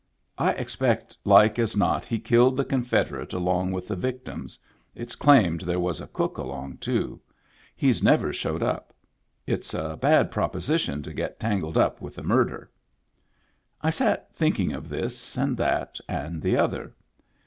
I expect like as not he killed the confederate along with the victims — it's claimed there was a cook along, too. He's never showed up. It's a bad proposition to get tangled up with a murderer." I sat thinking of this and that and the other.